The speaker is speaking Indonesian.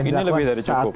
ini lebih dari cukup